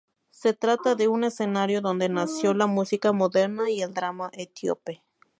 Se trata de un escenario donde nació la música moderna y el drama Etíope.